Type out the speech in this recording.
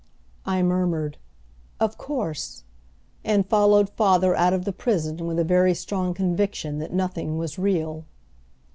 I murmured, "Of course," and followed father out of the prison with a very strong conviction that nothing was real.